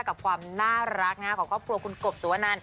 กับความน่ารักน่าห่วงของคอบครัวคุณกลปสัวนัน